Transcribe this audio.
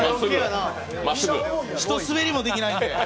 ひとスベりもできないんで！